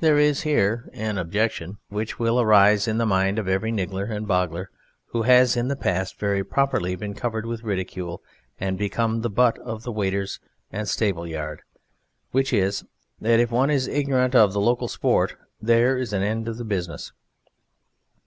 There is here an objection which will arise in the mind of every niggler and boggler who has in the past very properly been covered with ridicule and become the butt of the waiters and stable yard, which is, that if one is ignorant of the local sport, there is an end to the business.